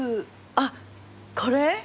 あっこれ？